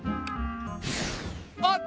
あっ！